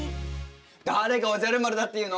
誰がおじゃる丸だっていうの。